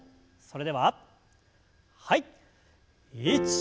それでははい。